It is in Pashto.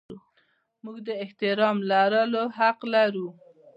موږ د احترام لرلو حق لرو.